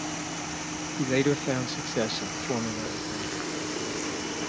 He later found success in Formula Atlantic.